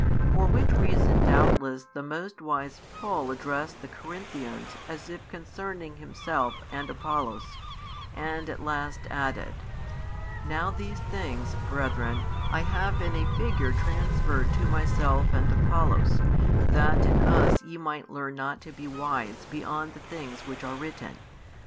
For which reason doubtless the most wise Paul addressed the Corinthians as if concerning himself and Apollos, and at last added: Now these things, brethren, I have in a figure transferred to myself and Apollos; that in us ye might learn not to be wise beyond the things which are written.